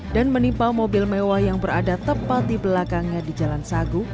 dan menimpa mobil mewah yang berada tepat di belakangnya di jalan sagu